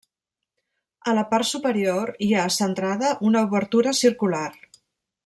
A la part superior hi ha, centrada, una obertura circular.